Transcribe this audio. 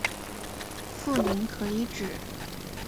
富临可以指